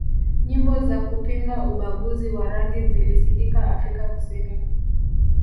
nyimbo za kupinga ubaguzi wa rangi zilisikika Afrika kusini